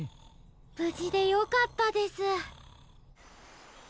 ぶじでよかったです。